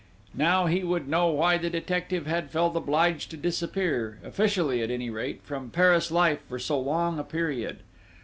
Now he would know why the detective had felt obliged to disappear, officially at any rate, from Paris life for so long a period.